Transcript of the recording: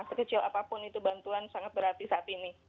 sekecil apapun itu bantuan sangat berarti saat ini